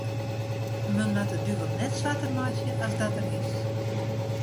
Men moat de duvel net swarter meitsje as dat er is.